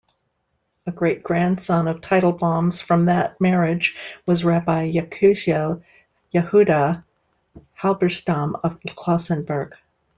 A great-grandson of Teitelbaum's from that marriage was Rabbi Yekusiel Yehudah Halberstam of Klausenberg.